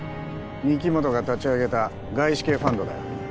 御木本が立ち上げた外資系ファンドだよ